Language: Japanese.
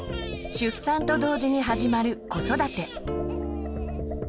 出産と同時に始まる子育て。